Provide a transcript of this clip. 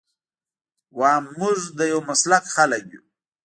ويم موږ د يو مسلک خلک يو.